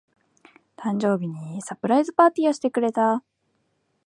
誕生日にサプライズパーティーをしてくれた。